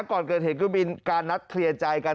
ก่อนเกิดเหตุก็มีการนัดเคลียร์ใจกัน